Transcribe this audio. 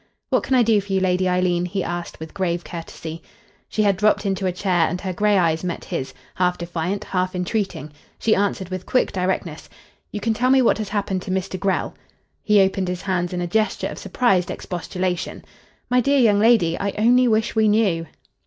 "What can I do for you, Lady Eileen?" he asked with grave courtesy. She had dropped into a chair and her grey eyes met his, half defiant, half entreating. She answered with quick directness "You can tell me what has happened to Mr. Grell." He opened his hands in a gesture of surprised expostulation. "My dear young lady! I only wish we knew."